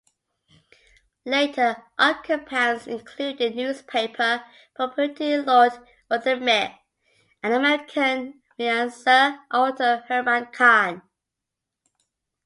Later occupants included newspaper proprietor Lord Rothermere and the American financier Otto Hermann Kahn.